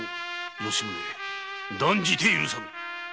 吉宗断じて許さぬ。